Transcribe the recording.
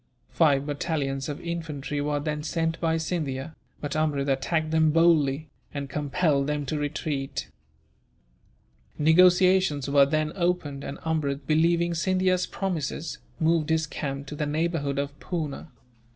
Five battalions of infantry were then sent by Scindia, but Amrud attacked them boldly, and compelled them to retreat. Negotiations were then opened, and Amrud, believing Scindia's promises, moved his camp to the neighbourhood of Poona.